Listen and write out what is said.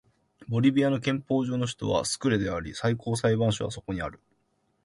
ボリビアの憲法上の首都はスクレであり最高裁判所はそこにある